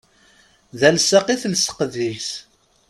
D alsaq i telseq deg-s.